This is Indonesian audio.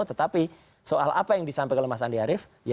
tetapi soal apa yang disampaikan oleh mas andi arief